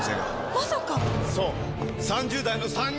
まさか！